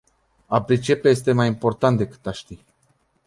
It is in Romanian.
A pricepe este mai important decât a ști.